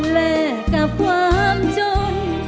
แลกกับความจน